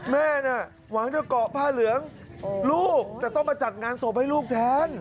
แม่น่ะหวังจะเกาะผ้าเหลืองลูกแต่ต้องมาจัดงานศพให้ลูกแทน